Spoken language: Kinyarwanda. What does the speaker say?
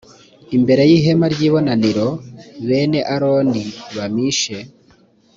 imbere y ihema ry ibonaniro bene aroni bamishe